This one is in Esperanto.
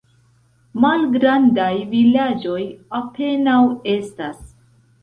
Malgrandaj vilaĝoj apenaŭ estas.